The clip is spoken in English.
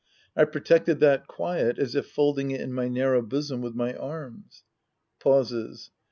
I protected that quiet as if folding it in my narrow bosom with my arms. (Pauses.)